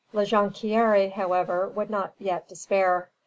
La Jonquière, however, would not yet despair.